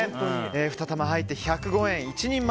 ２玉入って１０５円１人前